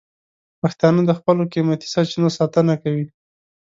پښتانه د خپلو قیمتي سرچینو ساتنه کوي.